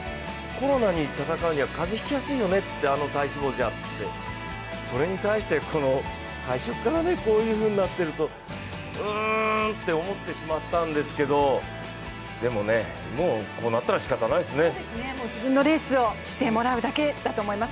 コロナに闘うには風邪、ひきやすいよねってあの体脂肪じゃってそれに対して、最初からこういうふうになっているとうーんって思ってしまったんですけど、でもね、もうこうなったらしかたないですね。